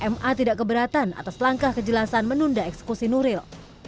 ma tidak keberatan atas langkah kejelasan menunda eksekusi nuril